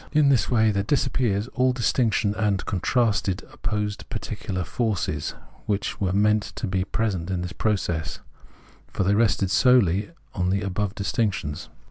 In this way there disappears all dis tinction of contrasted and opposed particular forces, which were meant to be present in this process ; for they rested solely on the above distinctions.